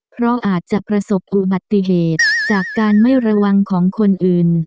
เพราะอาจจะประสบอุบัติเหตุจากการไม่ระวังของคนอื่น